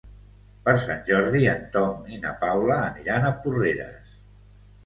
Per Sant Jordi en Tom i na Paula aniran a Porreres.